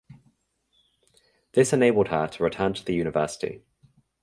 This enabled her to return to the university.